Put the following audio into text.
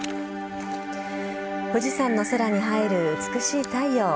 富士山の空に映える美しい太陽。